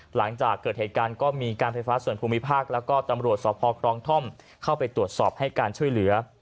หลังจากเกิดเหตุการณ์ก็มีการไฟฟ้าส่วนภูมิภาคแล้วก็ตำรวจสพครองท่อมเข้าไปตรวจสอบให้การช่วยเหลือ